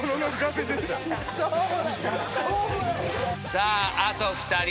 さああと２人。